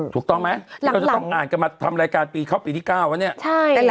ถูกต้องไหมหลังก็จะต้องงานกันมาทำรายการปีเข้าปีที่เก้าวะเนี้ยใช่